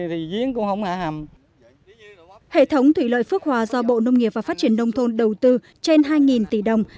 hệ thống thủy lợi phước hòa do bộ nông nghiệp và phát triển nông thôn đầu tư trên hai tỷ đồng